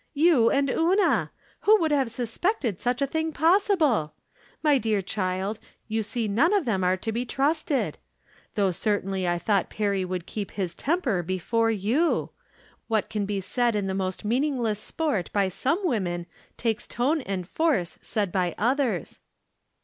" You and Una ! Who would have suspected such a thing possible ! My dear child, you see none of them are to be trusted. Though certainly I thought Perry would keep his temper before you! What can be said in the most meaningless sport by some women takes tone and force said by others."